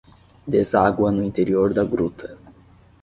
Deságua no interior da gruta